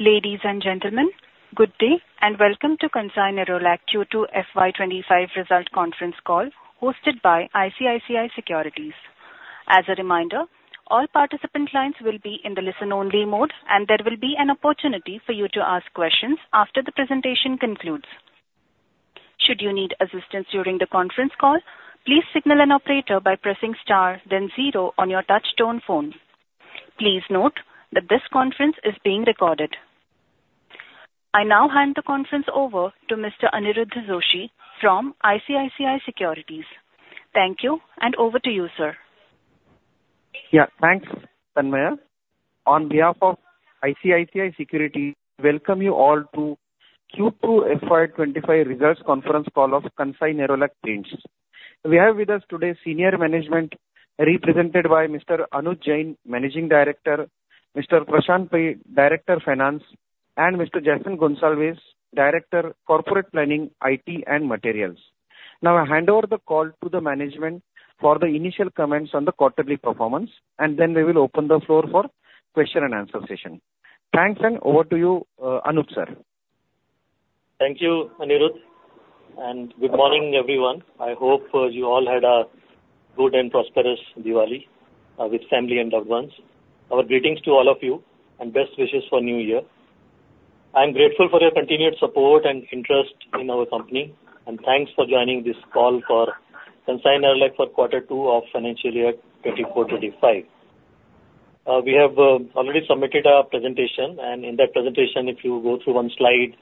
Ladies and gentlemen, good day and welcome to Kansai Nerolac Q2 FY 2025 Result Conference Call, hosted by ICICI Securities. As a reminder, all participant lines will be in the listen-only mode, and there will be an opportunity for you to ask questions after the presentation concludes. Should you need assistance during the conference call, please signal an operator by pressing star, then zero on your touch-tone phone. Please note that this conference is being recorded. I now hand the conference over to Mr. Aniruddh Joshi from ICICI Securities. Thank you, and over to you, sir. Yeah, thanks, Tanmaya. On behalf of ICICI Securities, welcome you all to Q2 FY 2025 Results Conference Call of Kansai Nerolac Paints. We have with us today Senior Management, represented by Mr. Anuj Jain, Managing Director, Mr. Prashant Pai, Director of Finance, and Mr. Jason Gonsalves, Director of Corporate Planning, IT and Materials. Now, I hand over the call to the management for the initial comments on the quarterly performance, and then we will open the floor for question and answer session. Thanks, and over to you, Anuj, sir. Thank you, Aniruddh, and good morning, everyone. I hope you all had a good and prosperous Diwali with family and loved ones. Our greetings to all of you and best wishes for New Year. I'm grateful for your continued support and interest in our company, and thanks for joining this call for Kansai Nerolac for Quarter 2 of financial year 2024-2025. We have already submitted our presentation, and in that presentation, if you go through one slide,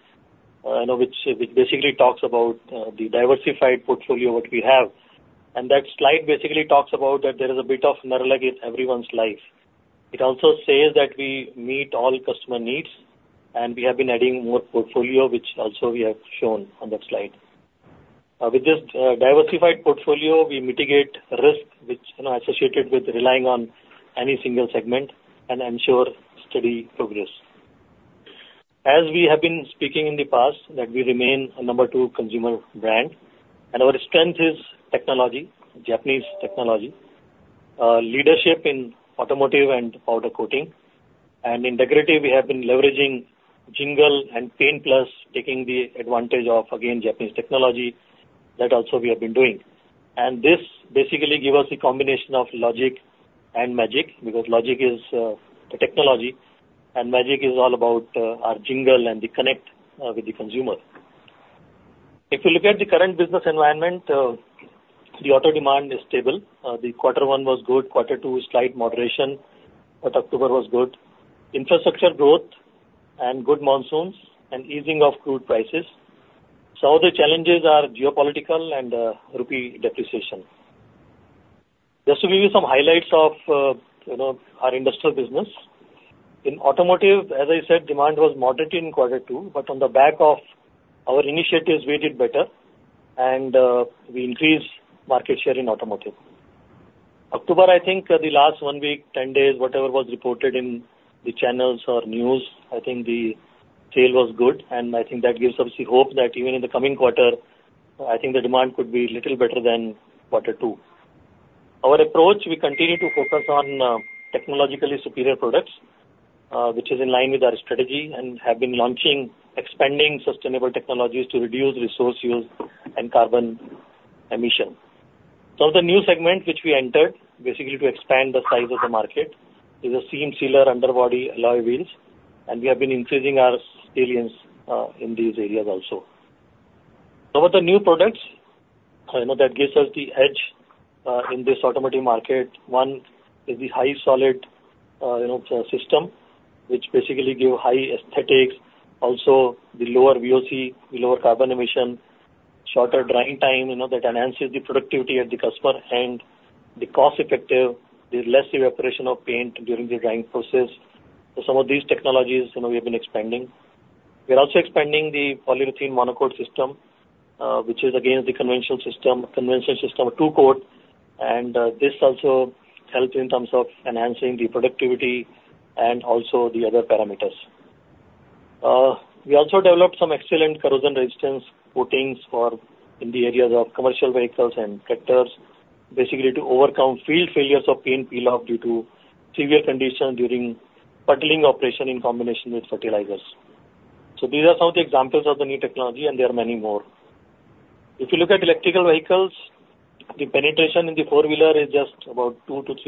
you know, which basically talks about the diversified portfolio that we have, and that slide basically talks about that there is a bit of Nerolac in everyone's life. It also says that we meet all customer needs, and we have been adding more portfolio, which also we have shown on that slide. With this diversified portfolio, we mitigate risk, which, you know, is associated with relying on any single segment and ensure steady progress. As we have been speaking in the past, that we remain a number two consumer brand, and our strength is technology, Japanese technology, leadership in automotive and powder coating, and in decorative, we have been leveraging Jingle and Paint+, taking the advantage of, again, Japanese technology. That also we have been doing, and this basically gives us a combination of logic and magic, because logic is the technology, and magic is all about our Jingle and the connect with the consumer. If you look at the current business environment, the auto demand is stable. The Quarter 1 was good, Quarter 2 was slight moderation, but October was good. Infrastructure growth and good monsoons and easing of crude prices. Some of the challenges are geopolitical and the rupee depreciation. Just to give you some highlights of, you know, our industrial business. In automotive, as I said, demand was moderate in Quarter 2, but on the back of our initiatives, we did better, and we increased market share in automotive. October, I think the last one week, 10 days, whatever was reported in the channels or news, I think the sale was good, and I think that gives us the hope that even in the coming quarter, I think the demand could be a little better than Quarter 2. Our approach, we continue to focus on technologically superior products, which is in line with our strategy, and have been launching, expanding sustainable technologies to reduce resource use and carbon emission. Some of the new segment which we entered, basically to expand the size of the market, is the seam sealer underbody alloy wheels, and we have been increasing our salience in these areas also. Some of the new products, you know, that gives us the edge in this automotive market. One is the high solid, you know, system, which basically gives high aesthetics, also the lower VOC, the lower carbon emission, shorter drying time, you know, that enhances the productivity of the customer, and the cost-effective, there's less evaporation of paint during the drying process. Some of these technologies, you know, we have been expanding. We are also expanding the polyurethane monocoat system, which is against the conventional system, conventional system of two coat, and this also helps in terms of enhancing the productivity and also the other parameters. We also developed some excellent corrosion resistance coatings for the areas of commercial vehicles and tractors, basically to overcome field failures of paint peel-off due to severe conditions during puddling operation in combination with fertilizers. So these are some of the examples of the new technology, and there are many more. If you look at electric vehicles, the penetration in the four-wheeler is just about 2-3%,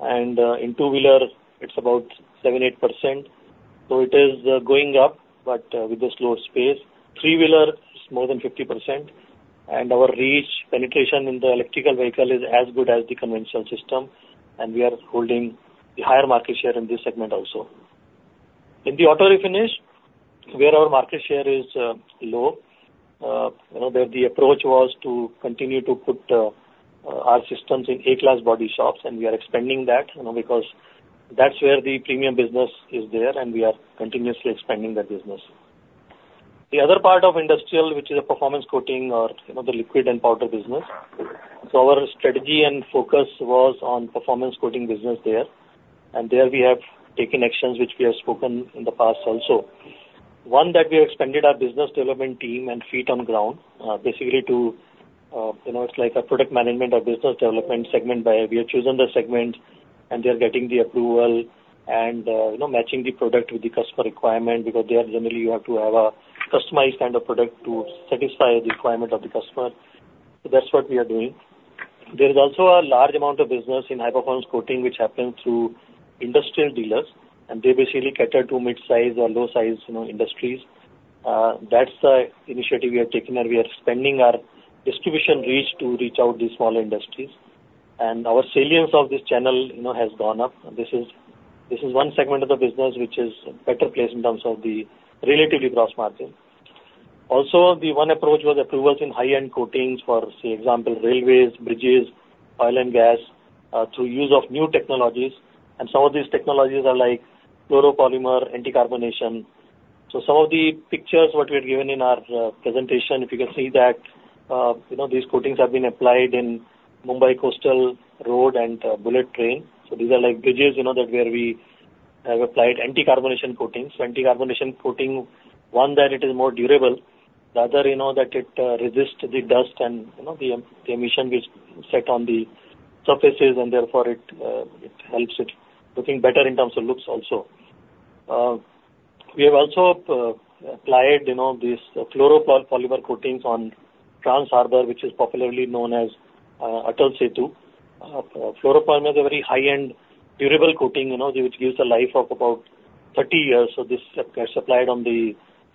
and in two-wheeler, it's about 7-8%. So it is going up, but with a slow pace. Three-wheeler is more than 50%, and our penetration in the electric vehicle is as good as the conventional system, and we are holding the higher market share in this segment also. In the auto refinish, where our market share is low, you know, there the approach was to continue to put our systems in A-class body shops, and we are expanding that, you know, because that's where the premium business is there, and we are continuously expanding that business. The other part of industrial, which is a performance coating or, you know, the liquid and powder business. So our strategy and focus was on performance coating business there, and there we have taken actions which we have spoken in the past also. One that we have expanded our business development team and feet on ground, basically to, you know, it's like a product management or business development segment, where we have chosen the segment, and they are getting the approval and, you know, matching the product with the customer requirement, because they are generally you have to have a customized kind of product to satisfy the requirement of the customer. So that's what we are doing. There is also a large amount of business in high performance coating, which happens through industrial dealers, and they basically cater to mid-size or low-size, you know, industries. That's the initiative we have taken, and we are expanding our distribution reach to reach out these smaller industries, and our salience of this channel, you know, has gone up. This is one segment of the business which is better placed in terms of the relatively gross margin. Also, the one approach was approvals in high-end coatings for, say, example, railways, bridges, oil and gas, through use of new technologies, and some of these technologies are like fluoropolymer anti-carbonation. So some of the pictures what we had given in our presentation, if you can see that, you know, these coatings have been applied in Mumbai Coastal Road and Bullet Train. So these are like bridges, you know, that where we have applied anti-carbonation coatings. Anti-carbonation coating, one, that it is more durable. The other, you know, that it resists the dust and, you know, the emission which is set on the surfaces, and therefore it helps it looking better in terms of looks also. We have also applied, you know, these fluoropolymer coatings on Trans Harbour, which is popularly known as Atal Setu. Fluoropolymer is a very high-end durable coating, you know, which gives a life of about 30 years. So this is supplied on the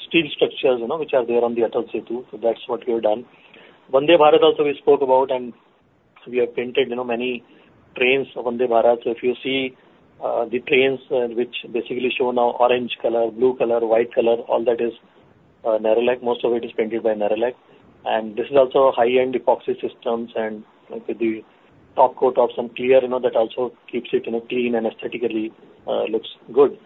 steel structures, you know, which are there on the Atal Setu. So that's what we have done. Vande Bharat also we spoke about, and we have painted, you know, many trains for Vande Bharat. So if you see the trains which basically show now orange color, blue color, white color, all that is Nerolac. Most of it is painted by Nerolac, and this is also high-end epoxy systems and with the top coat of some clear, you know, that also keeps it, you know, clean and aesthetically looks good.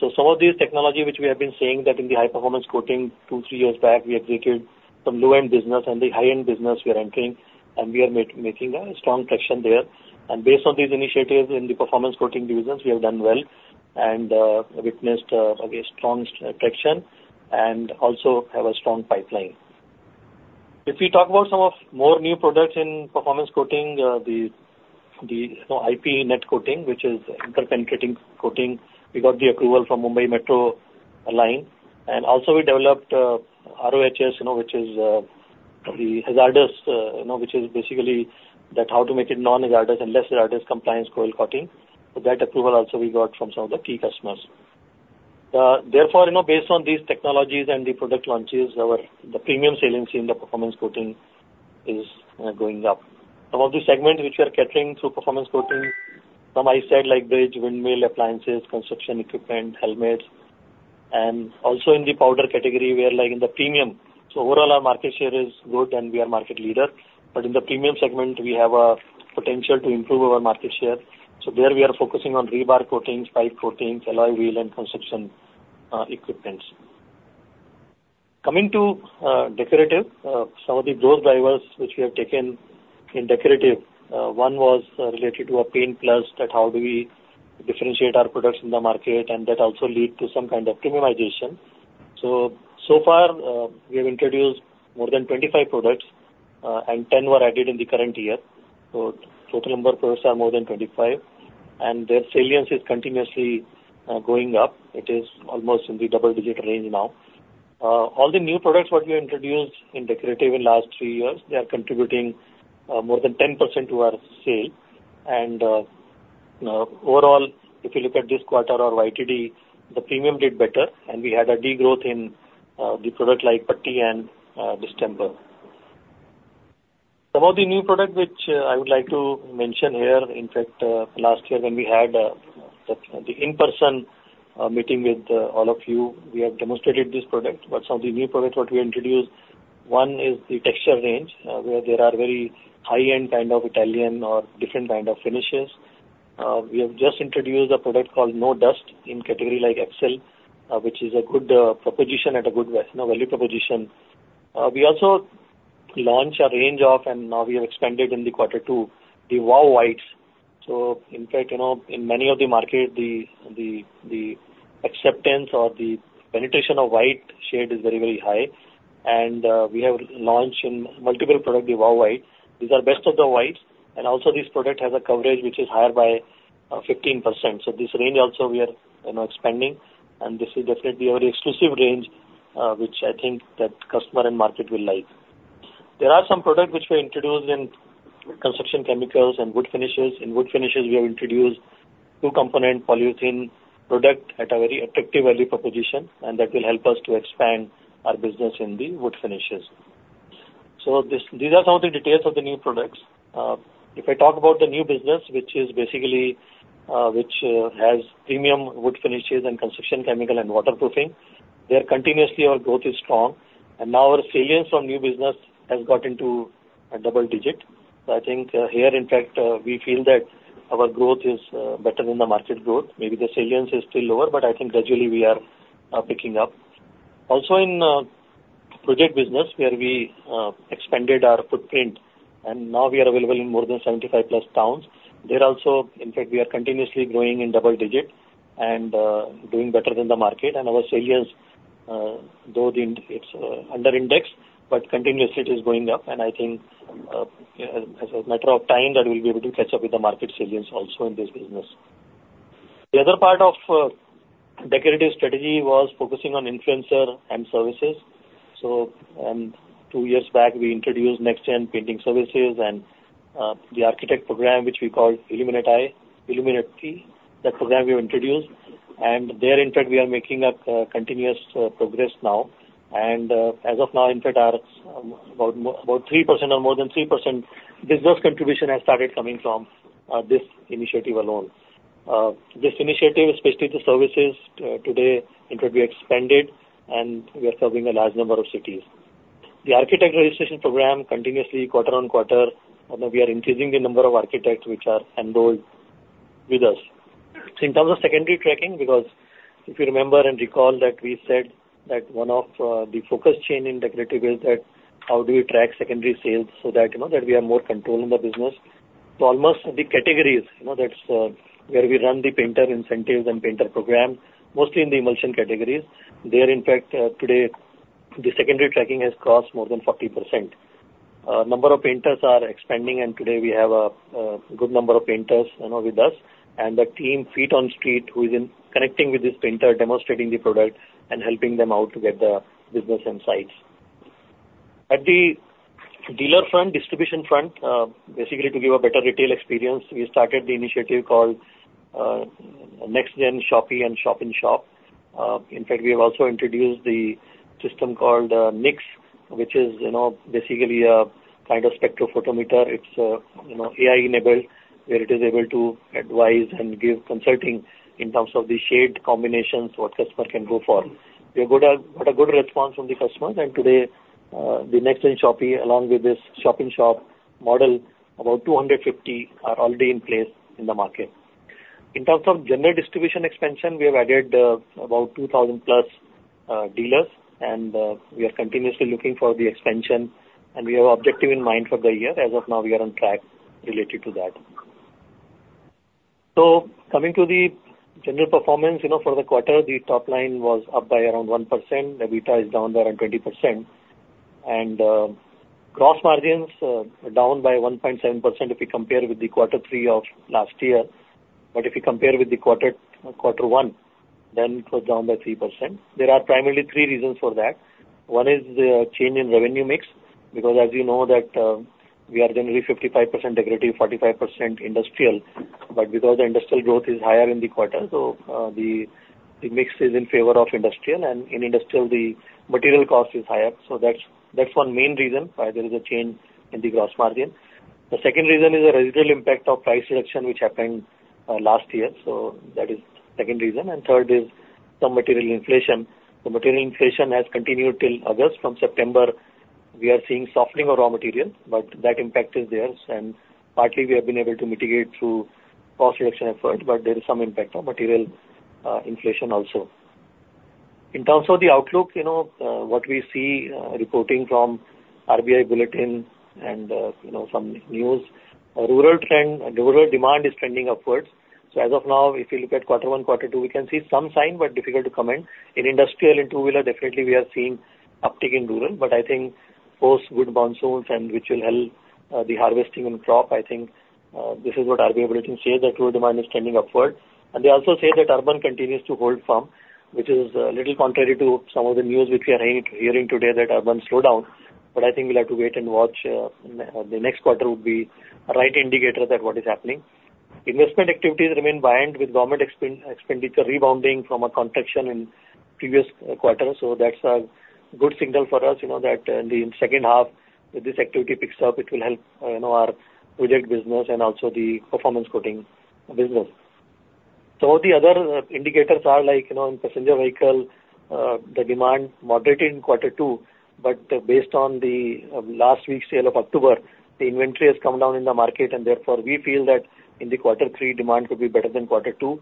So some of these technology which we have been saying that in the high performance coating, two or three years back, we exited from low-end business, and the high-end business we are entering, and we are making a strong traction there. And based on these initiatives in the performance coating divisions, we have done well and witnessed a strong traction and also have a strong pipeline. If we talk about some of more new products in performance coating, the IPN coating, which is interpenetrating coating, we got the approval from Mumbai Metro Rail, and also we developed RoHS, you know, which is the hazardous, you know, which is basically that how to make it non-hazardous and less hazardous compliance coil coating. So that approval also we got from some of the key customers. Therefore, you know, based on these technologies and the product launches, our premium salience in the performance coating is going up. Some of the segments which we are catering through performance coating, some I said like bridge, windmill appliances, construction equipment, helmets, and also in the powder category, we are like in the premium. So overall our market share is good, and we are market leader, but in the premium segment, we have a potential to improve our market share. So there we are focusing on rebar coatings, pipe coatings, alloy wheel, and construction equipments. Coming to decorative, some of the growth drivers which we have taken in decorative, one was related to Paint+ that how do we differentiate our products in the market, and that also lead to some kind of premiumization. So far, we have introduced more than 25 products, and 10 were added in the current year. Total number of products are more than 25, and their salience is continuously going up. It is almost in the double-digit range now. All the new products what we introduced in decorative in the last three years, they are contributing more than 10% to our sale, and overall, if you look at this quarter or YTD, the premium did better, and we had a degrowth in the product like putty and distemper. Some of the new product which I would like to mention here, in fact, last year when we had the in-person meeting with all of you, we have demonstrated this product, but some of the new products what we introduced, one is the texture range, where there are very high-end kind of Italian or different kind of finishes. We have just introduced a product called Nerolac in category like Excel, which is a good proposition at a good, you know, value proposition. We also launched a range of, and now we have expanded in the Quarter 2, the Wow Whites. So in fact, you know, in many of the markets, the acceptance or the penetration of white shade is very, very high, and we have launched in multiple products the Wow Whites. These are best of the whites, and also this product has a coverage which is higher by 15%. So this range also we are, you know, expanding, and this is definitely a very exclusive range which I think that customer and market will like. There are some products which we introduced in construction chemicals and wood finishes. In wood finishes, we have introduced two-component polyurethane product at a very attractive value proposition, and that will help us to expand our business in the wood finishes. So these are some of the details of the new products. If I talk about the new business, which is basically which has premium wood finishes and construction chemical and waterproofing, there continuously our growth is strong, and now our salience from new business has got into a double digit. So I think here, in fact, we feel that our growth is better than the market growth. Maybe the salience is still lower, but I think gradually we are picking up. Also in project business, where we expanded our footprint, and now we are available in more than 75 plus towns, there also, in fact, we are continuously growing in double digit and doing better than the market, and our salience, though it's under index, but continuously it is going up, and I think as a matter of time, that we'll be able to catch up with the market salience also in this business. The other part of decorative strategy was focusing on influencer and services. So two years back, we introduced next-gen painting services and the architect program, which we called Illuminate Eye, Illuminate Feet. That program we have introduced, and there, in fact, we are making a continuous progress now, and as of now, in fact, our about 3% or more than 3% business contribution has started coming from this initiative alone. This initiative, especially the services, today, in fact, we expanded, and we are serving a large number of cities. The architect registration program continuously quarter on quarter, you know, we are increasing the number of architects which are enrolled with us. In terms of secondary tracking, because if you remember and recall that we said that one of the focus areas in decorative is that how do we track secondary sales so that, you know, that we have more control in the business. So almost the categories, you know, that's where we run the painter incentives and painter program, mostly in the emulsion categories. There, in fact, today, the secondary tracking has crossed more than 40%. A number of painters are expanding, and today we have a good number of painters, you know, with us, and the team, feet on street, who is connecting with these painters, demonstrating the product, and helping them out to get the business insights. At the dealer front, distribution front, basically to give a better retail experience, we started the initiative called Next Gen Shoppe and Shop-in-Shop. In fact, we have also introduced the system called Nix, which is, you know, basically a kind of spectrophotometer. It's a, you know, AI-enabled, where it is able to advise and give consulting in terms of the shade combinations that customers can go for. We have got a good response from the customers, and today, the Next Gen Shoppe, along with this Shop-in-Shop model, about 250 are already in place in the market. In terms of general distribution expansion, we have added about 2,000 plus dealers, and we are continuously looking for the expansion, and we have an objective in mind for the year. As of now, we are on track related to that. So coming to the general performance, you know, for the quarter, the top line was up by around 1%. EBITDA is down by around 20%, and gross margins down by 1.7% if we compare with the Quarter 3 of last year. But if you compare with the Quarter 1, then it was down by 3%. There are primarily three reasons for that. One is the change in revenue mix, because as you know that we are generally 55% decorative, 45% industrial, but because the industrial growth is higher in the quarter, so the mix is in favor of industrial, and in industrial, the material cost is higher. So that's one main reason why there is a change in the gross margin. The second reason is the residual impact of price reduction, which happened last year. So that is the second reason. And third is some material inflation. The material inflation has continued till August. From September, we are seeing softening of raw materials, but that impact is there, and partly we have been able to mitigate through cost reduction effort, but there is some impact of material inflation also. In terms of the outlook, you know, what we see reporting from RBI Bulletin and, you know, some news, rural trend, rural demand is trending upwards. So as of now, if you look at Quarter 1, Quarter 2, we can see some sign, but difficult to comment. In industrial, in two-wheeler, definitely we are seeing uptick in rural, but I think post good monsoons and which will help the harvesting and crop. I think this is what RBI Bulletin says that rural demand is trending upward, and they also say that urban continues to hold firm, which is a little contrary to some of the news which we are hearing today that urban slowdown, but I think we'll have to wait and watch. The next quarter would be a right indicator that what is happening. Investment activities remain behind with government expenditure rebounding from a contraction in previous quarters. That's a good signal for us, you know, that in the second half, if this activity picks up, it will help, you know, our project business and also the performance coating business. So the other indicators are like, you know, in passenger vehicle, the demand moderated in Quarter 2, but based on the last week's sale of October, the inventory has come down in the market, and therefore we feel that in the Quarter 3, demand could be better than Quarter 2.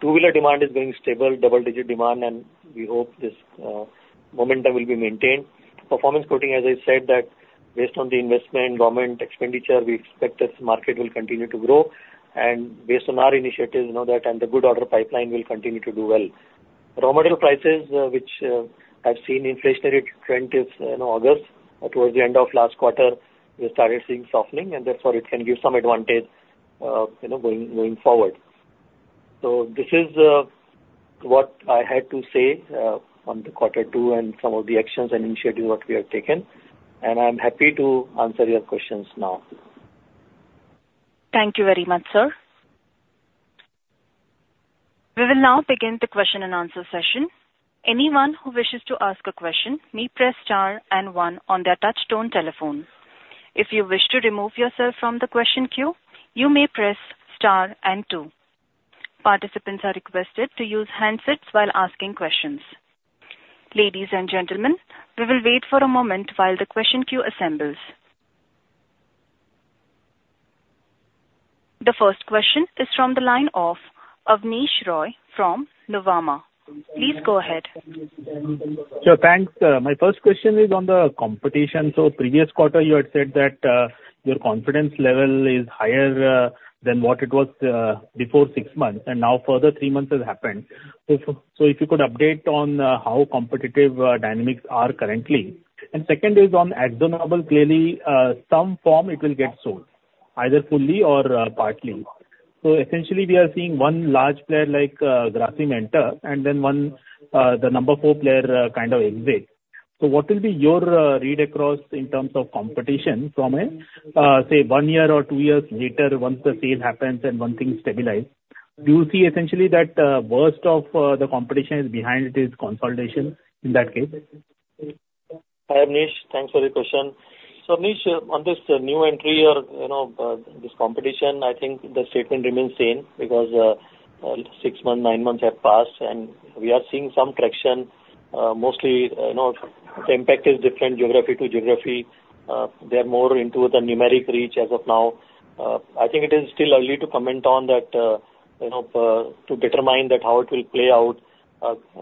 Two-wheeler demand is going stable, double-digit demand, and we hope this momentum will be maintained. Performance coating, as I said, that based on the investment, government expenditure, we expect that the market will continue to grow, and based on our initiative, you know, that and the good order pipeline will continue to do well. Raw material prices, which I've seen inflationary trend is, you know, August towards the end of last quarter, we started seeing softening, and therefore it can give some advantage, you know, going forward. So this is what I had to say on the Quarter 2 and some of the actions and initiatives what we have taken, and I'm happy to answer your questions now. Thank you very much, sir. We will now begin the question and answer session. Anyone who wishes to ask a question may press star and one on their touch-tone telephone. If you wish to remove yourself from the question queue, you may press star and two. Participants are requested to use handsets while asking questions. Ladies and gentlemen, we will wait for a moment while the question queue assembles. The first question is from the line of Avneesh Roy from Nuvama. Please go ahead. Sure, thanks. My first question is on the competition. So previous quarter, you had said that your confidence level is higher than what it was before six months, and now further three months has happened. So if you could update on how competitive dynamics are currently. And second is on AkzoNobel, clearly some form it will get sold, either fully or partly. So essentially, we are seeing one large player like Grasim Industries, and then the number four player kind of exit. So what will be your read across in terms of competition from a, say, one year or two years later, once the sale happens and one thing stabilizes? Do you see essentially that worst of the competition behind it is consolidation in that case? Hi Avneesh, thanks for the question. So Avneesh, on this new entry or, you know, this competition, I think the statement remains same because six months, nine months have passed, and we are seeing some traction, mostly, you know, the impact is different geography to geography. They are more into the numeric reach as of now. I think it is still early to comment on that, you know, to determine that how it will play out.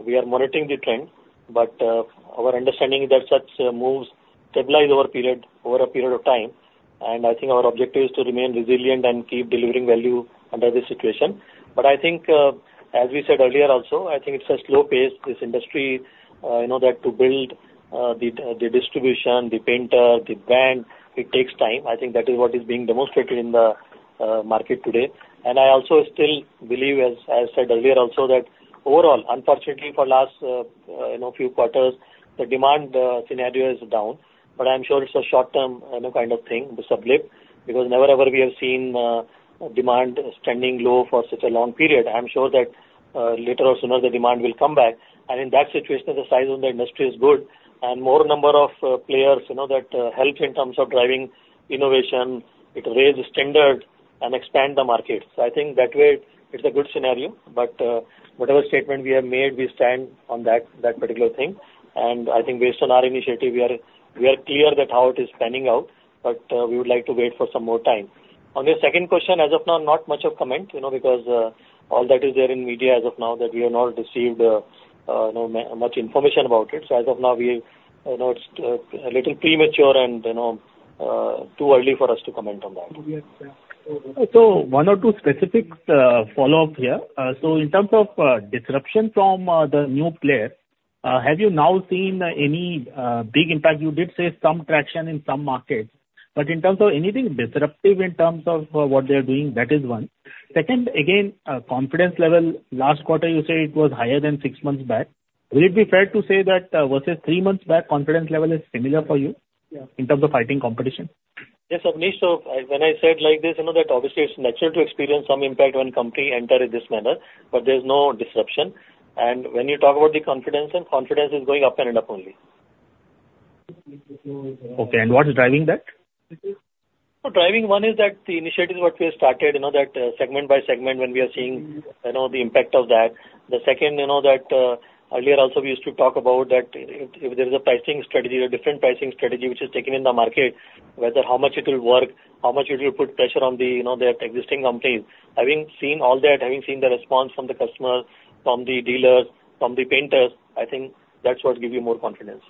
We are monitoring the trend, but our understanding is that such moves stabilize over a period of time, and I think our objective is to remain resilient and keep delivering value under this situation. But I think, as we said earlier also, I think it's a slow pace, this industry, you know, that to build the distribution, the painter, the brand, it takes time. I think that is what is being demonstrated in the market today. I also still believe, as I said earlier also, that overall, unfortunately, for last, you know, few quarters, the demand scenario is down, but I'm sure it's a short-term, you know, kind of thing, the slump, because never ever we have seen demand trending low for such a long period. I'm sure that later or sooner, the demand will come back, and in that situation, the size of the industry is good, and more number of players, you know, that help in terms of driving innovation, it raises standard and expands the market. So I think that way, it's a good scenario, but whatever statement we have made, we stand on that particular thing, and I think based on our initiative, we are clear that how it is panning out, but we would like to wait for some more time. On the second question, as of now, not much of comment, you know, because all that is there in media as of now that we have not received much information about it. So as of now, we are, you know, a little premature and, you know, too early for us to comment on that. So, one or two specific follow-up here. So in terms of disruption from the new player, have you now seen any big impact? You did say some traction in some markets, but in terms of anything disruptive in terms of what they are doing, that is one. Second, again, confidence level, last quarter you said it was higher than six months back. Will it be fair to say that versus three months back, confidence level is similar for you in terms of fighting competition? Yes, Avneesh, so when I said like this, you know, that obviously it's natural to experience some impact when a company enters in this manner, but there's no disruption. And when you talk about the confidence, then confidence is going up and up only. Okay, and what is driving that? So driving one is that the initiative is what we have started, you know, that segment by segment when we are seeing, you know, the impact of that. The second, you know, that earlier also we used to talk about that if there is a pricing strategy or different pricing strategy which is taken in the market, whether how much it will work, how much it will put pressure on the, you know, their existing companies. Having seen all that, having seen the response from the customers, from the dealers, from the painters, I think that's what gives you more confidence.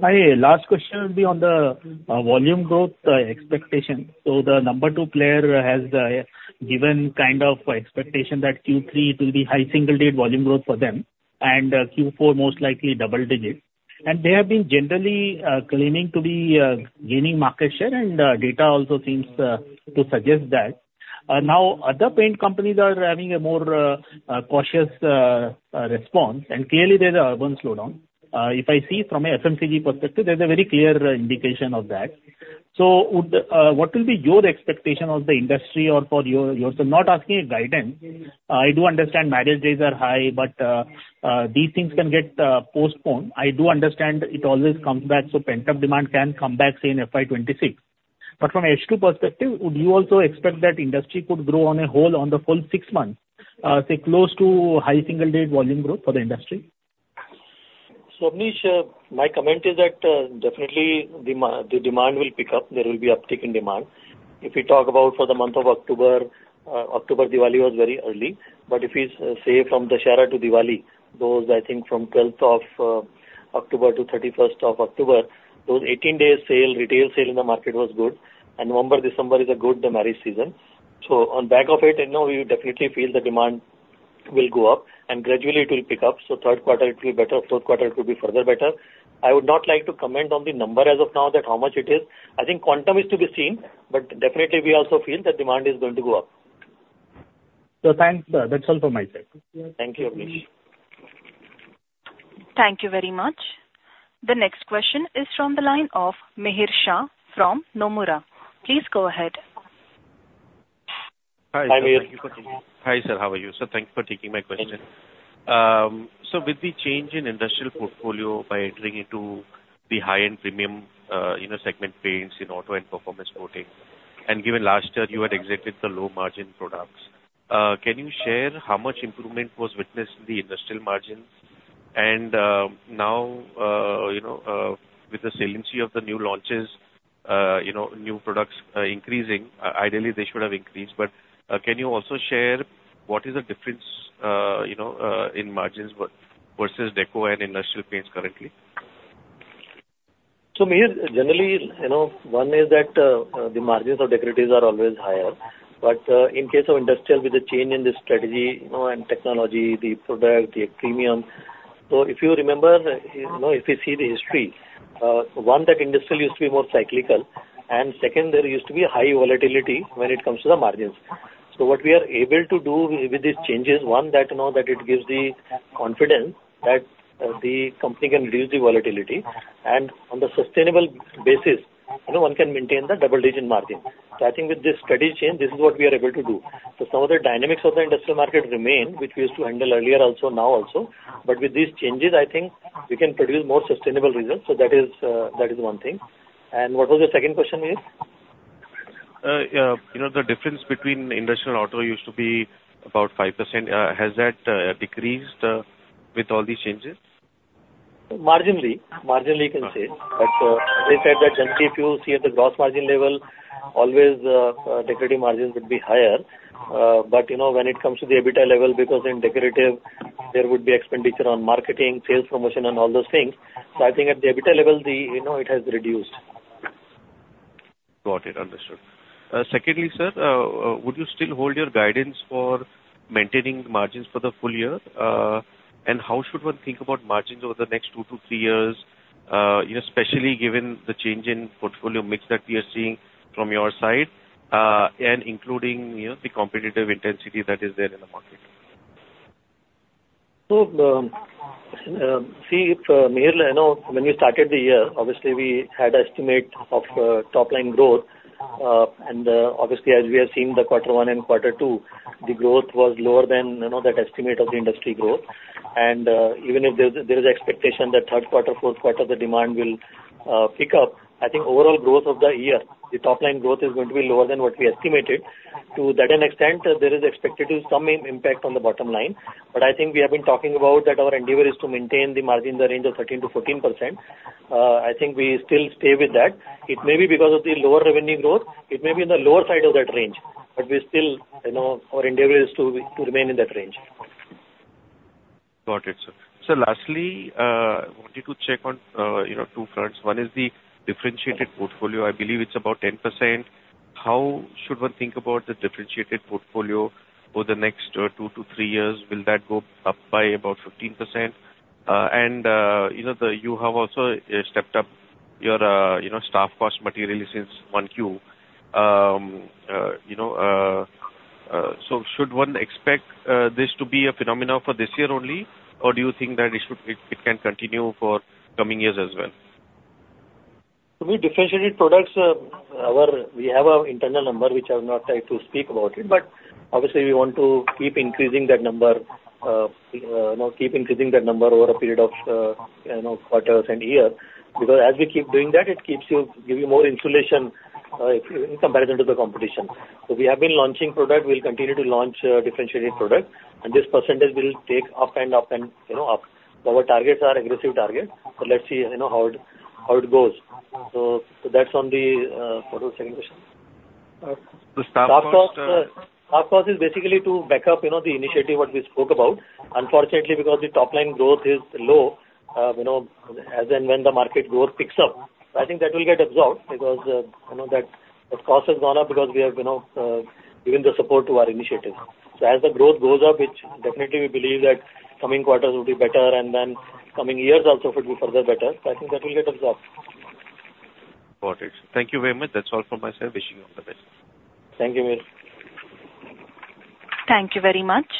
My last question would be on the volume growth expectation. The number two player has given kind of expectation that Q3 it will be high single-digit volume growth for them, and Q4 most likely double-digit. They have been generally claiming to be gaining market share, and data also seems to suggest that. Now, other paint companies are having a more cautious response, and clearly there's an urban slowdown. If I see from an FMCG perspective, there's a very clear indication of that. What will be your expectation of the industry or for yourself? Not asking a guidance. I do understand marriage days are high, but these things can get postponed. I do understand it always comes back, so pent-up demand can come back, say, in FY 2026. But from an H2 perspective, would you also expect that industry could grow as a whole for the full six months, say, close to high single-digit volume growth for the industry? Avneesh, my comment is that definitely the demand will pick up. There will be an uptick in demand. If we talk about for the month of October, October Diwali was very early, but if we say from Dussehra to Diwali, those I think from 12th of October to 31st of October, those 18-day sale, retail sale in the market was good, and November, December is a good marriage season. So on the back of it, you know, we definitely feel the demand will go up, and gradually it will pick up. So third quarter it will be better, fourth quarter it will be further better. I would not like to comment on the number as of now that how much it is. I think quantum is to be seen, but definitely we also feel that demand is going to go up. So thanks. That's all from my side. Thank you, Avneesh. Thank you very much. The next question is from the line of Mihir Shah from NomuraPlease go ahead. Hi, Mihir. Hi, sir. How are you? So thanks for taking my question. So with the change in industrial portfolio by entering into the high-end premium, you know, segment paints in auto and performance coating, and given last year you had exited the low-margin products, can you share how much improvement was witnessed in the industrial margins? And now, you know, with the salience of the new launches, you know, new products increasing, ideally they should have increased, but can you also share what is the difference, you know, in margins versus deco and industrial paints currently? So Mihir, generally, you know, one is that the margins of decoratives are always higher, but in case of industrial, with the change in the strategy, you know, and technology, the product, the premium. So, if you remember, you know, if you see the history, one, that industrial used to be more cyclical, and second, there used to be high volatility when it comes to the margins. So, what we are able to do with these changes, one, that, you know, that it gives the confidence that the company can reduce the volatility, and on the sustainable basis, you know, one can maintain the double-digit margin. So, I think with this strategy change, this is what we are able to do. So, some of the dynamics of the industrial market remain, which we used to handle earlier also, now also, but with these changes, I think we can produce more sustainable results. So, that is one thing. And what was the second question, Mihir? You know, the difference between industrial and auto used to be about 5%. Has that decreased with all these changes? Marginally, marginally you can say, but as I said, that generally if you see at the gross margin level, always decorative margins would be higher, but you know, when it comes to the EBITDA level, because in decorative, there would be expenditure on marketing, sales promotion, and all those things. So I think at the EBITDA level, the, you know, it has reduced. Got it, understood. Secondly, sir, would you still hold your guidance for maintaining margins for the full year? And how should one think about margins over the next two to three years, you know, especially given the change in portfolio mix that we are seeing from your side, and including, you know, the competitive intensity that is there in the market? So see, Mihir, you know, when we started the year, obviously we had an estimate of top-line growth, and obviously as we have seen the quarter one and quarter two, the growth was lower than, you know, that estimate of the industry growth. And even if there is an expectation that third quarter, fourth quarter, the demand will pick up, I think overall growth of the year, the top-line growth is going to be lower than what we estimated. To that extent, there is expected to be some impact on the bottom line, but I think we have been talking about that our endeavor is to maintain the margin in the range of 13%-14%. I think we still stay with that. It may be because of the lower revenue growth, it may be in the lower side of that range, but we still, you know, our endeavor is to remain in that range. Got it, sir. So lastly, I wanted to check on, you know, two fronts. One is the differentiated portfolio. I believe it's about 10%. How should one think about the differentiated portfolio for the next two to three years? Will that go up by about 15%? And, you know, you have also stepped up your, you know, staff cost materially since 1Q, you know, so should one expect this to be a phenomenon for this year only, or do you think that it can continue for coming years as well? With differentiated products, we have our internal number, which I have not tried to speak about it, but obviously we want to keep increasing that number, you know, keep increasing that number over a period of, you know, quarters and years, because as we keep doing that, it gives you more insulation in comparison to the competition. We have been launching product. We'll continue to launch differentiated product, and this percentage will take up and up and, you know, up. Our targets are aggressive targets, but let's see, you know, how it goes. That's on the second question. The staff cost? Staff cost is basically to back up, you know, the initiative what we spoke about. Unfortunately, because the top-line growth is low, you know, as in when the market growth picks up, I think that will get absorbed because, you know, that cost has gone up because we have, you know, given the support to our initiative. So as the growth goes up, which definitely we believe that coming quarters will be better, and then coming years also could be further better. So I think that will get absorbed. Got it. Thank you very much. That's all from my side. Wishing you all the best. Thank you, Mihir. Thank you very much.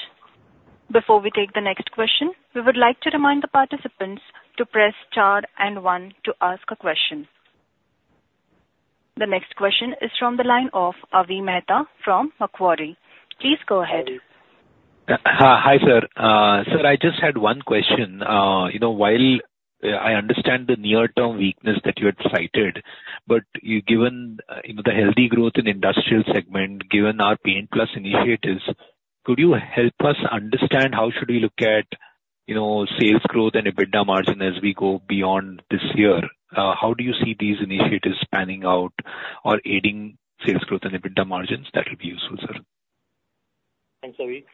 Before we take the next question, we would like to remind the participants to press star and one to ask a question. The next question is from the line of Avi Mehta from Macquarie. Please go ahead. Hi, sir. Sir, I just had one question. You know, while I understand the near-term weakness that you had cited, but given the healthy growth in the industrial segment, given our Paint+ initiatives, could you help us understand how should we look at, you know, sales growth and EBITDA margin as we go beyond this year? How do you see these initiatives panning out or aiding sales growth and EBITDA margins? That would be useful, sir. Thanks, Avi.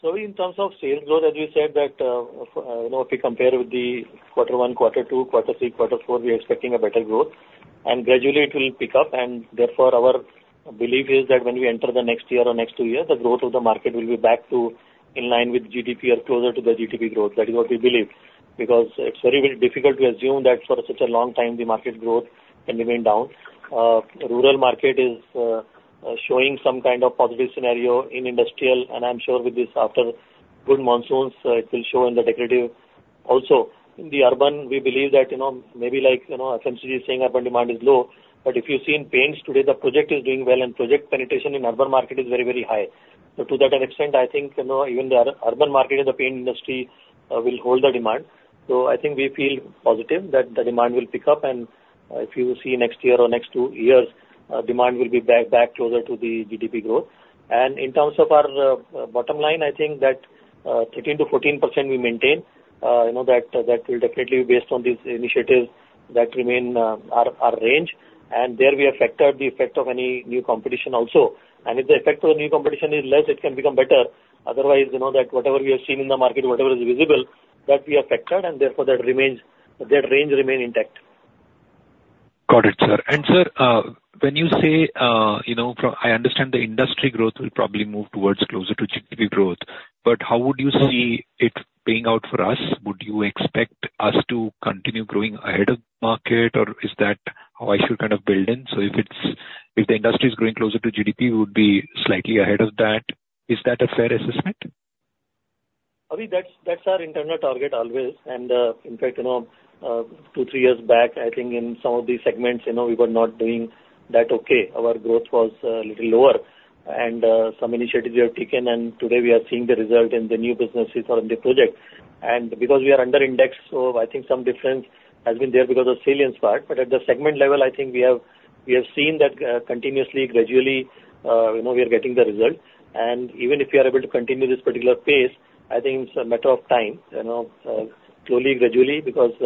So in terms of sales growth, as we said that, you know, if we compare with the quarter one, quarter two, quarter three, quarter four, we are expecting a better growth, and gradually it will pick up, and therefore our belief is that when we enter the next year or next two years, the growth of the market will be back to in line with GDP or closer to the GDP growth. That is what we believe, because it's very difficult to assume that for such a long time the market growth can remain down. Rural market is showing some kind of positive scenario in industrial, and I'm sure with this after good monsoons, it will show in the decorative. Also, in the urban, we believe that, you know, maybe like, you know, FMCG is saying urban demand is low, but if you've seen paints today, the project is doing well, and project penetration in urban market is very, very high. So to that extent, I think, you know, even the urban market in the paint industry will hold the demand. So I think we feel positive that the demand will pick up, and if you see next year or next two years, demand will be back closer to the GDP growth. And in terms of our bottom line, I think that 13%-14% we maintain, you know, that will definitely be based on these initiatives that remain our range, and there we have factored the effect of any new competition also. And if the effect of the new competition is less, it can become better. Otherwise, you know, that whatever we have seen in the market, whatever is visible, that we have factored, and therefore that remains that range remains intact. Got it, sir. And sir, when you say, you know, I understand the industry growth will probably move towards closer to GDP growth, but how would you see it paying out for us? Would you expect us to continue growing ahead of the market, or is that how I should kind of build in? So if the industry is growing closer to GDP, we would be slightly ahead of that. Is that a fair assessment? Avi, that's our internal target always, and in fact, you know, two or three years back, I think in some of these segments, you know, we were not doing that okay. Our growth was a little lower, and some initiatives we have taken, and today we are seeing the result in the new businesses or in the project. And because we are under index, so I think some difference has been there because of salience part, but at the segment level, I think we have seen that continuously, gradually, you know, we are getting the result. And even if we are able to continue this particular pace, I think it's a matter of time, you know, slowly, gradually, because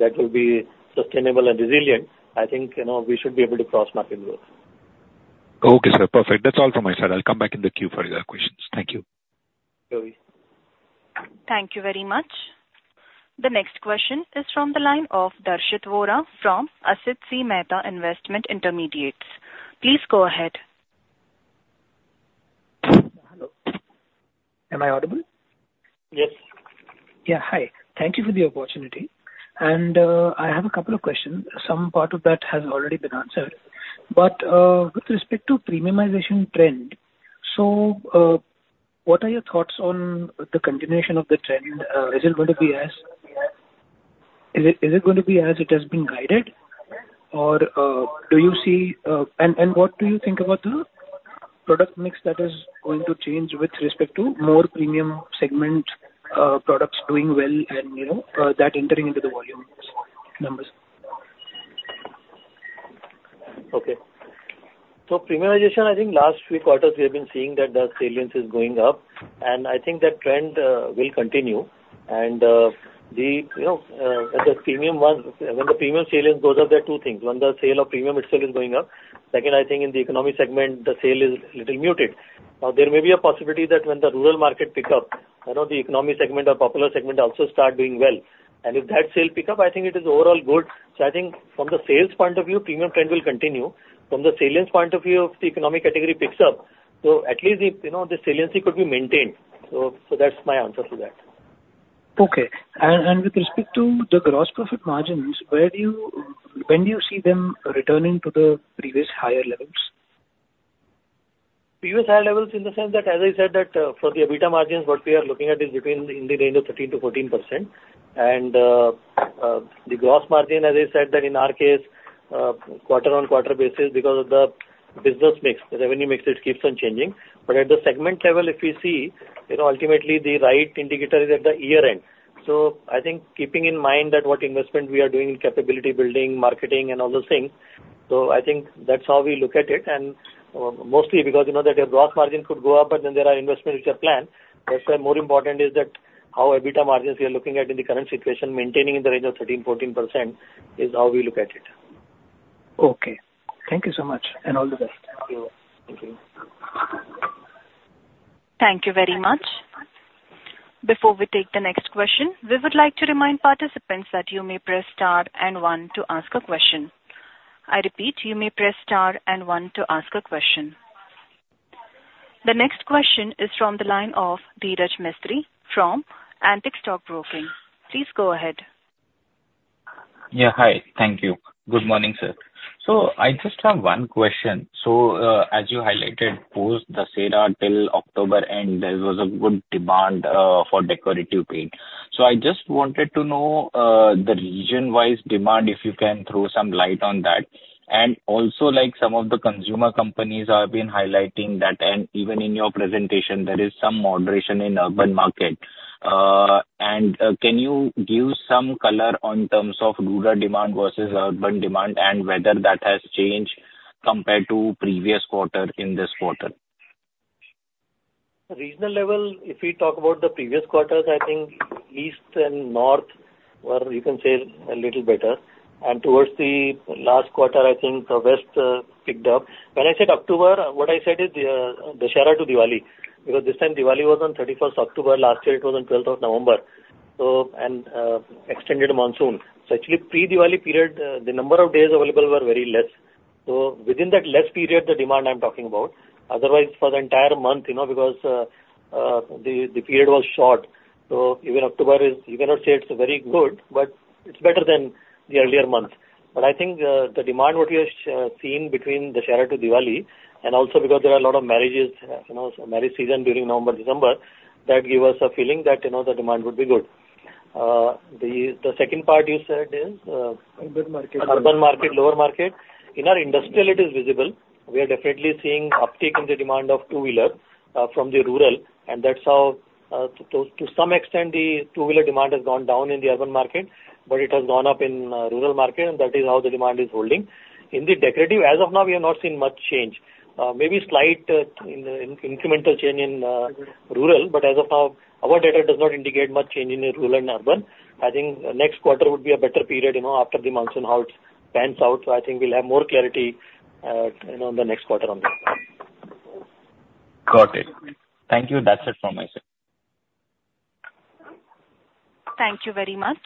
that will be sustainable and resilient. I think, you know, we should be able to cross-market growth. Okay, sir. Perfect. That's all from my side. I'll come back in the queue for your questions. Thank you. Thank you very much. The next question is from the line of Darshit Vora from Asit C. Mehta Investment Intermediates. Please go ahead. Hello. Am I audible? Yes. Yeah, hi. Thank you for the opportunity. And I have a couple of questions. Some part of that has already been answered, but with respect to premiumization trend, so what are your thoughts on the continuation of the trend? Is it going to be as is it going to be as it has been guided, or do you see and what do you think about the product mix that is going to change with respect to more premium segment products doing well and, you know, that entering into the volume numbers? Okay. So premiumization, I think last few quarters we have been seeing that the salience is going up, and I think that trend will continue. And the, you know, when the premium salience goes up, there are two things. One, the sale of premium itself is going up. Second, I think in the economy segment, the sale is a little muted. Now, there may be a possibility that when the rural market picks up, you know, the economy segment or popular segment also starts doing well. And if that sale picks up, I think it is overall good. So I think from the sales point of view, premium trend will continue. From the salience point of view, if the economic category picks up, so at least, you know, the saliency could be maintained. So that's my answer to that. Okay. And with respect to the gross profit margins, when do you see them returning to the previous higher levels? Previous higher levels in the sense that, as I said, that for the EBITDA margins, what we are looking at is between in the range of 13%-14%. And the gross margin, as I said, that in our case, quarter-on-quarter basis because of the business mix, the revenue mix, it keeps on changing. But at the segment level, if we see, you know, ultimately the right indicator is at the year end. So I think keeping in mind that what investment we are doing in capability building, marketing, and all those things. So I think that's how we look at it. And mostly because, you know, that your gross margin could go up, but then there are investments which are planned. That's why more important is that how EBITDA margins we are looking at in the current situation, maintaining in the range of 13%-14% is how we look at it. Okay. Thank you so much, and all the best. Thank you. Thank you very much. Before we take the next question, we would like to remind participants that you may press star and one to ask a question. I repeat, you may press star and one to ask a question. The next question is from the line of Dhiraj Mistry from Antique Stock Broking. Please go ahead. Yeah, hi. Thank you. Good morning, sir. So I just have one question. So as you highlighted, post the SEDA till October end, there was a good demand for decorative paint. So I just wanted to know the region-wise demand, if you can throw some light on that. Also, like some of the consumer companies have been highlighting that, and even in your presentation, there is some moderation in urban market. Can you give some color in terms of rural demand versus urban demand and whether that has changed compared to previous quarter in this quarter? At the regional level, if we talk about the previous quarters, I think east and north were, you can say, a little better. Towards the last quarter, I think the west picked up. When I said October, what I said is the Dussehra to Diwali, because this time Diwali was on 31st October. Last year, it was on 12th of November. So, and extended monsoon. So actually, pre-Diwali period, the number of days available were very less. So within that less period, the demand I'm talking about, otherwise for the entire month, you know, because the period was short. So even October is, you cannot say it's very good, but it's better than the earlier month. But I think the demand what we have seen between Dussehra to Diwali, and also because there are a lot of marriages, you know, marriage season during November, December, that give us a feeling that, you know, the demand would be good. The second part you said is urban market, rural market. In our industrial, it is visible. We are definitely seeing uptake in the demand of two-wheeler from the rural. And that's how, to some extent, the two-wheeler demand has gone down in the urban market, but it has gone up in rural market, and that is how the demand is holding. In the decorative, as of now, we have not seen much change. Maybe slight incremental change in rural, but as of now, our data does not indicate much change in rural and urban. I think next quarter would be a better period, you know, after the monsoon how it pans out. So I think we'll have more clarity, you know, in the next quarter on that. Got it. Thank you. That's it from my side. Thank you very much.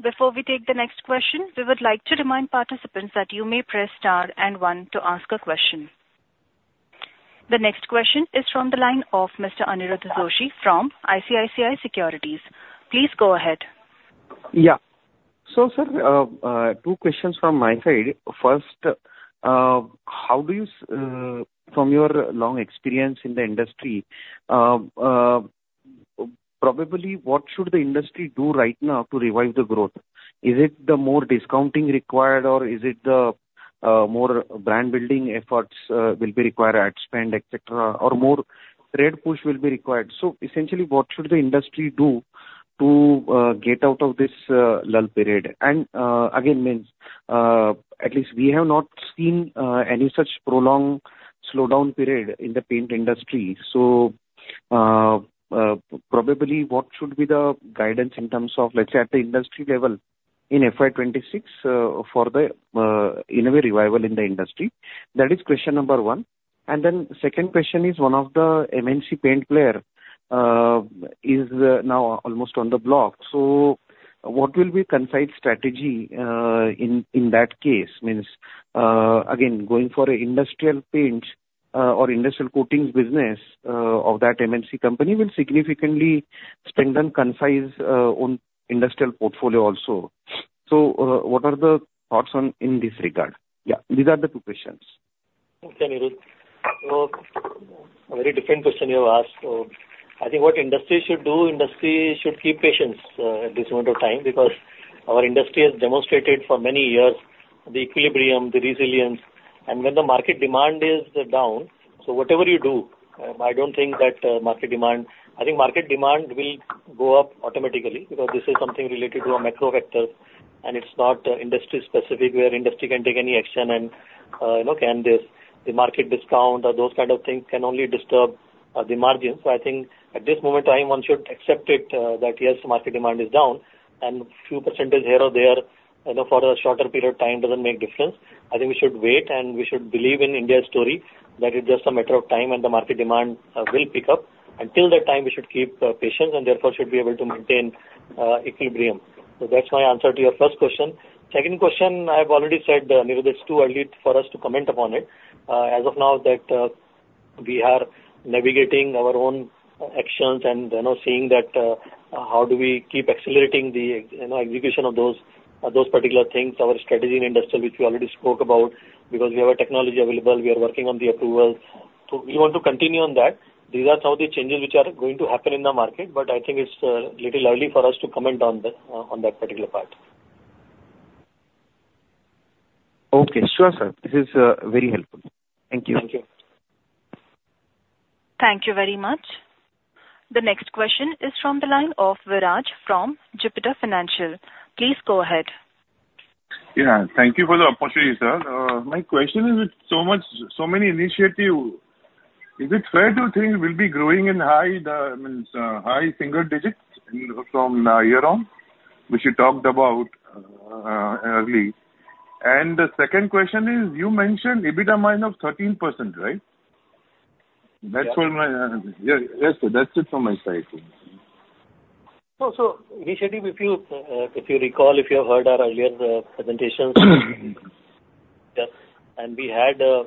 Before we take the next question, we would like to remind participants that you may press star and one to ask a question. The next question is from the line of Mr. Aniruddh Joshi from ICICI Securities. Please go ahead. Yeah. So sir, two questions from my side. First, how do you, from your long experience in the industry, probably what should the industry do right now to revive the growth? Is it the more discounting required, or is it the more brand building efforts will be required, ad spend, etc., or more trade push will be required? So essentially, what should the industry do to get out of this lull period? And again, I mean at least we have not seen any such prolonged slowdown period in the paint industry. So probably what should be the guidance in terms of, let's say, at the industry level in FY 2026 for the innovative revival in the industry? That is question number one. And then second question is one of the MNC paint player is now almost on the block. So what will be the acquisitive strategy in that case? Means, again, going for an industrial paint or industrial coatings business of that MNC company will significantly spend on acquisitive industrial portfolio also. So what are the thoughts in this regard? Yeah, these are the two questions. Okay, Aniruddh. A very different question you have asked. I think what industry should do, industry should keep patience at this moment of time because our industry has demonstrated for many years the equilibrium, the resilience, and when the market demand is down, so whatever you do, I don't think that market demand, I think market demand will go up automatically because this is something related to a macro factor, and it's not industry specific where industry can take any action and, you know, can't the market discount or those kind of things can only disturb the margins. I think at this moment in time, one should accept it that yes, market demand is down, and a few percentage here or there, you know, for a shorter period of time doesn't make difference. I think we should wait, and we should believe in India's story that it's just a matter of time and the market demand will pick up. Until that time, we should keep patience and therefore should be able to maintain equilibrium. So that's my answer to your first question. Second question, I have already said, Aniruddh, it's too early for us to comment upon it. As of now, that we are navigating our own actions and, you know, seeing that how do we keep accelerating the, you know, execution of those particular things, our strategy in industrial, which we already spoke about, because we have a technology available, we are working on the approvals. So we want to continue on that. These are some of the changes which are going to happen in the market, but I think it's a little early for us to comment on that particular part. Okay, sure, sir. This is very helpful. Thank you. Thank you. Thank you very much. The next question is from the line of Viraj from Jupiter Financial. Please go ahead. Yeah, thank you for the opportunity, sir. My question is, with so many initiatives, is it fair to think we'll be growing in high, I mean, high single digits from now year on, which you talked about earlier? And the second question is, you mentioned EBITDA minus 13%, right? That's what my, yes, sir, that's it from my side. So, so initially, if you recall, if you have heard our earlier presentations, yes, and we had a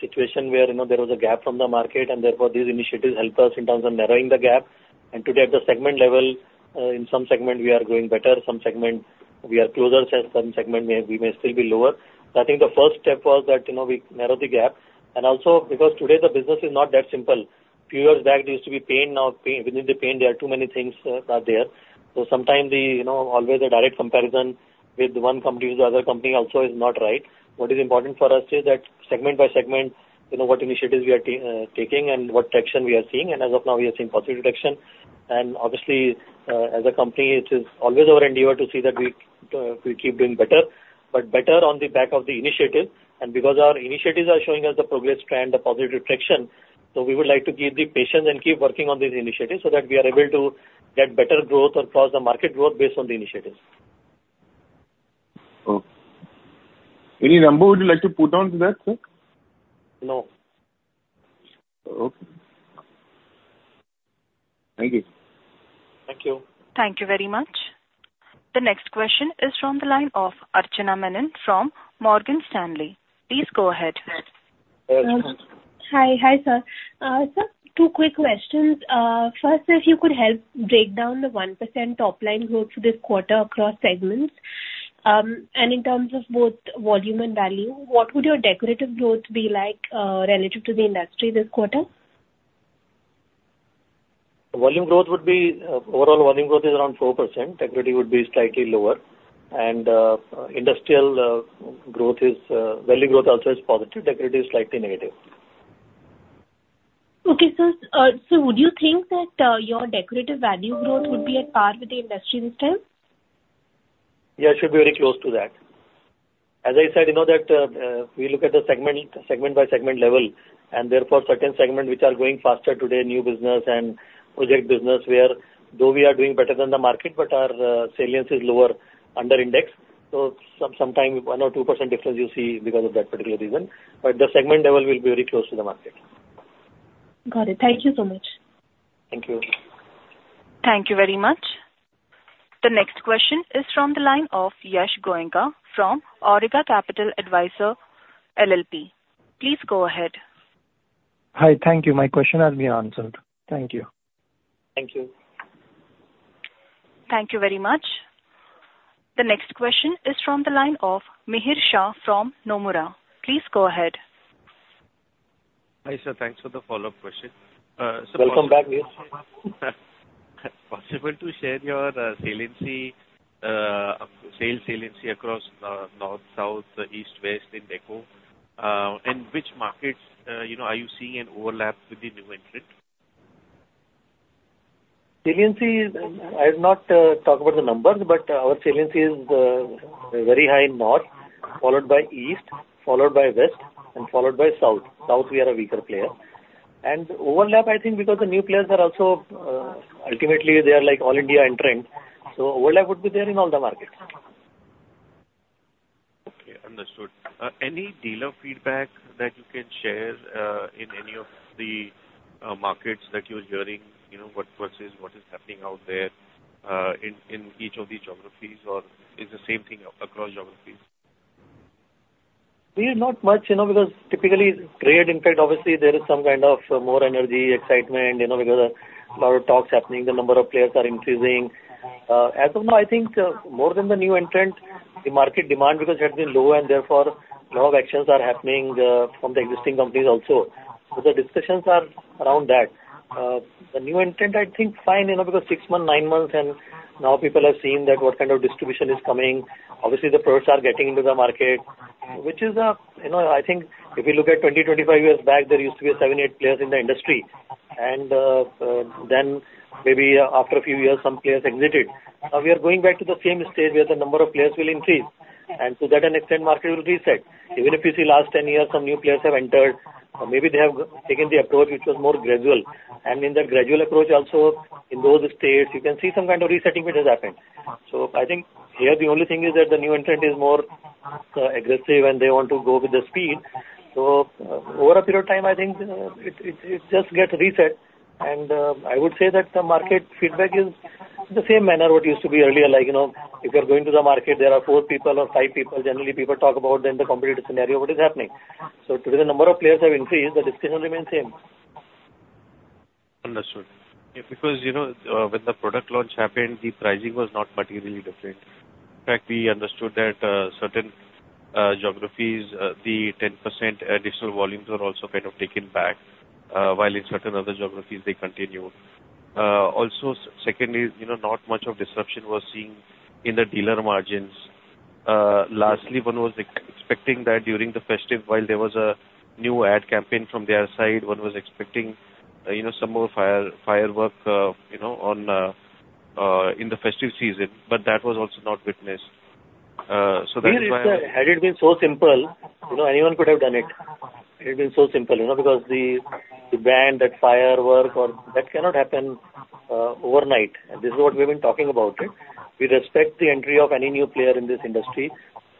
situation where, you know, there was a gap from the market, and therefore these initiatives helped us in terms of narrowing the gap. Today, at the segment level, in some segment, we are going better, some segment we are closer, some segment we may still be lower. I think the first step was that, you know, we narrowed the gap. Also, because today the business is not that simple. Few years back, it used to be paint. Now, within the paint, there are too many things out there. Sometimes the, you know, always a direct comparison with one company to the other company also is not right. What is important for us is that segment by segment, you know, what initiatives we are taking and what traction we are seeing. As of now, we are seeing positive traction. Obviously, as a company, it is always our endeavor to see that we keep doing better, but better on the back of the initiative. And because our initiatives are showing us the progress trend, the positive traction, so we would like to keep the patience and keep working on these initiatives so that we are able to get better growth across the market growth based on the initiatives. Okay. Any number would you like to put on to that, sir? No. Okay. Thank you. Thank you. Thank you very much. The next question is from the line of Archana Menon from Morgan Stanley. Please go ahead. Hi, hi, sir. Sir, two quick questions. First, if you could help break down the 1% top line growth for this quarter across segments. And in terms of both volume and value, what would your decorative growth be like relative to the industry this quarter? Volume growth would be, overall volume growth is around 4%. Decorative would be slightly lower. Industrial growth is, value growth also is positive. Decorative is slightly negative. Okay, sir. So would you think that your decorative value growth would be at par with the industry this time? Yeah, it should be very close to that. As I said, you know, that we look at the segment by segment level, and therefore certain segments which are going faster today, new business and project business, where though we are doing better than the market, but our salience is lower under index. So sometimes one or two% difference you see because of that particular reason. But the segment level will be very close to the market. Got it. Thank you so much. Thank you. Thank you very much. The next question is from the line of Yash Goenka from Awriga Capital Advisors LLP. Please go ahead. Hi, thank you. My question has been answered. Thank you. Thank you. Thank you very much. The next question is from the line of Mihir Shah from Nomura. Please go ahead. Hi, sir. Thanks for the follow-up question. Welcome back, Mihir. Possible to share your saliency, sales saliency across north, south, east, west in deco, and which markets, you know, are you seeing an overlap with the new entrant? Saliency is, I have not talked about the numbers, but our saliency is very high in north, followed by east, followed by west, and followed by south. South, we are a weaker player. And overlap, I think because the new players are also, ultimately, they are like all India entrant. So overlap would be there in all the markets. Okay, understood. Any dealer feedback that you can share in any of the markets that you are hearing, you know, what is happening out there in each of these geographies, or is the same thing across geographies? Not much, you know, because typically it's great. In fact, obviously, there is some kind of more energy, excitement, you know, because a lot of talks happening, the number of players are increasing. As of now, I think more than the new entrant, the market demand because it had been low, and therefore a lot of actions are happening from the existing companies also. So the discussions are around that. The new entrant, I think fine, you know, because six months, nine months, and now people have seen that what kind of distribution is coming. Obviously, the products are getting into the market, which is, you know, I think if you look at 20, 25 years back, there used to be seven, eight players in the industry. And then maybe after a few years, some players exited. Now we are going back to the same stage where the number of players will increase. And to that an extent, market will reset. Even if you see last 10 years, some new players have entered, maybe they have taken the approach which was more gradual. And in that gradual approach, also in those states, you can see some kind of resetting which has happened. So I think here the only thing is that the new entrant is more aggressive and they want to go with the speed. So over a period of time, I think it just gets reset. I would say that the market feedback is the same manner what used to be earlier, like, you know, if you're going to the market, there are four people or five people. Generally people talk about then the competitive scenario, what is happening. So today, the number of players have increased, the discussion remains same. Understood. Because, you know, when the product launch happened, the pricing was not materially different. In fact, we understood that certain geographies, the 10% additional volumes were also kind of taken back, while in certain other geographies, they continued. Also, secondly, you know, not much of disruption was seen in the dealer margins. Lastly, one was expecting that during the festive, while there was a new ad campaign from their side, one was expecting, you know, some more firework, you know, in the festive season, but that was also not witnessed. So that's why. Had it been so simple, you know, anyone could have done it. It had been so simple, you know, because the brand firepower or that cannot happen overnight, and this is what we have been talking about. We respect the entry of any new player in this industry.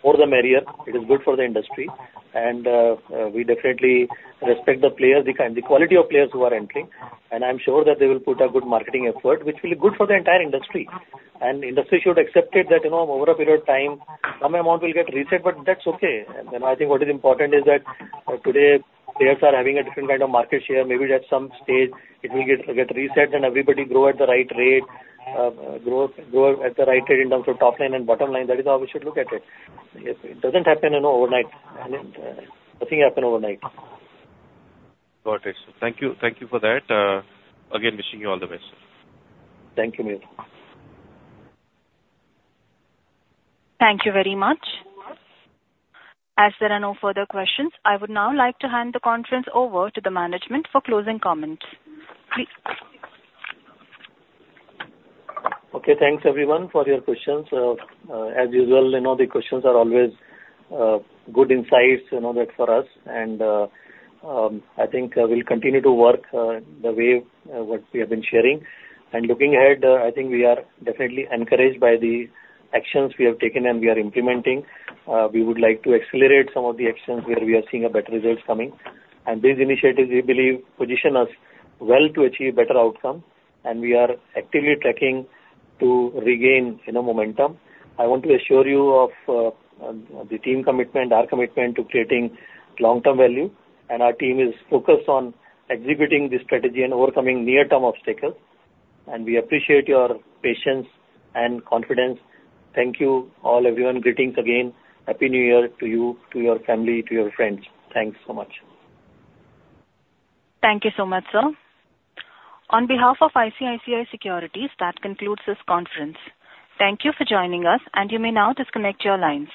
The more the merrier. It is good for the industry, and we definitely respect the players, the quality of players who are entering. And I'm sure that they will put a good marketing effort, which will be good for the entire industry, and industry should accept it that, you know, over a period of time, some amount will get reset, but that's okay. And then I think what is important is that today, players are having a different kind of market share. Maybe at some stage, it will get reset and everybody grow at the right rate, grow at the right rate in terms of top line and bottom line. That is how we should look at it. It doesn't happen, you know, overnight. Nothing happens overnight. Got it. Thank you. Thank you for that. Again, wishing you all the best, sir. Thank you, Mihir. Thank you very much. As there are no further questions, I would now like to hand the conference over to the management for closing comments. Please. Okay, thanks everyone for your questions. As usual, you know, the questions are always good insights, you know, for us. And I think we'll continue to work the way what we have been sharing. And looking ahead, I think we are definitely encouraged by the actions we have taken and we are implementing. We would like to accelerate some of the actions where we are seeing better results coming. And these initiatives, we believe, position us well to achieve better outcomes. And we are actively tracking to regain, you know, momentum. I want to assure you of the team commitment, our commitment to creating long-term value. And our team is focused on executing this strategy and overcoming near-term obstacles. And we appreciate your patience and confidence. Thank you all, everyone. Greetings again. Happy New Year to you, to your family, to your friends. Thanks so much. Thank you so much, sir. On behalf of ICICI Securities, that concludes this conference. Thank you for joining us, and you may now disconnect your lines.